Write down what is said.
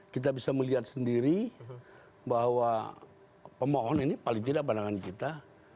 kita bisa melihat sendiri bahwa pemohon ini paling tidak pandangan kita